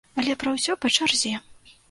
Але пра ўсё па чарзе.